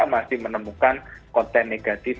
masih menemukan konten negatif